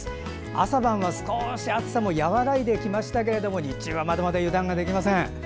朝晩は少し暑さも和らいできましたけど日中はまだまだ油断ができません。